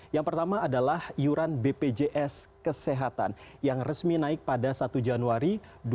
yang pertama adalah iuran bpjs kesehatan yang resmi naik pada satu januari dua ribu dua puluh